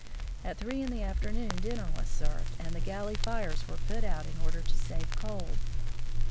At three in the afternoon din ner was served, and the galley fires were put out in order to save coal.